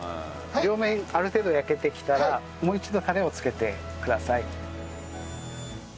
両面ある程度焼けてきたらもう一度タレをつけてください。